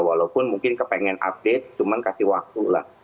walaupun mungkin kepengen update cuman kasih waktu lah